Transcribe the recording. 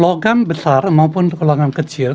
logam besar maupun pekalongan kecil